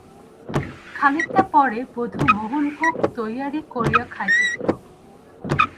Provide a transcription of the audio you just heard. খানিকটা পরে বধূ মোহনভোগ তৈয়ারি করিয়া খাইতে দিল।